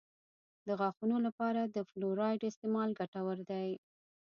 د غاښونو لپاره د فلورایډ استعمال ګټور دی.